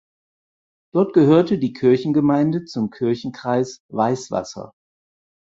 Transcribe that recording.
Dort gehörte die Kirchengemeinde zum Kirchenkreis Weißwasser.